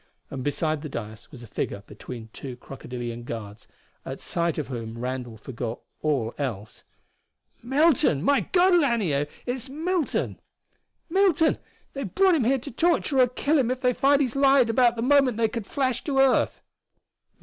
And beside the dais was a figure between two crocodilian guards at sight of whom Randall forgot all else. "Milton! My God, Lanier, it's Milton!" "Milton! They've brought him here to torture or kill him if they find he's lied about the moment they could flash to earth!"